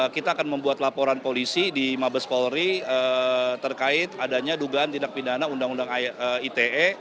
kita akan membuat laporan polisi di mabes polri terkait adanya dugaan tindak pidana undang undang ite